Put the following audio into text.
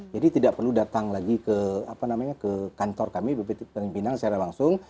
jadi tidak perlu datang lagi ke apa namanya ke kantor kami bp tanjung pinang secara langsung